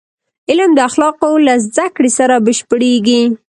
علم د اخلاقو له زدهکړې سره بشپړېږي.